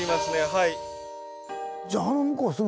はい。